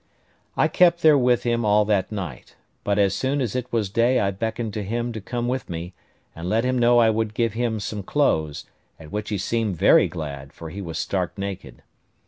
I kept there with him all that night; but as soon as it was day I beckoned to him to come with me, and let him know I would give him some clothes; at which he seemed very glad, for he was stark naked.